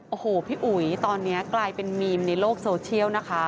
โอ้โหพี่อุ๋ยตอนนี้กลายเป็นมีมในโลกโซเชียลนะคะ